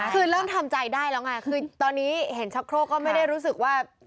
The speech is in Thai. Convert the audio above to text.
คือเริ่มทำใจได้แล้วไงคือตอนนี้เห็นชักโครกก็ไม่ได้รู้สึกว่า